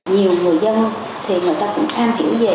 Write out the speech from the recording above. nhiều người dân thì người ta cũng tham hiểu về